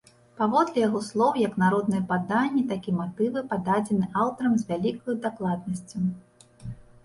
Паводле яго слоў, як народныя паданні, так і матывы пададзены аўтарам з вялікаю дакладнасцю.